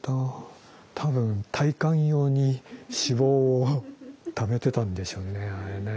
多分耐寒用に脂肪をためてたんでしょうねあれね。